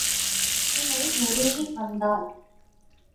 பதுமை நெருங்கி வந்தாள்.